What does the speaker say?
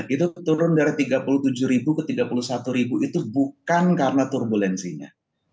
itu turun dari tiga puluh tujuh ribu ke tiga puluh satu ribu itu bukan karena turbulensinya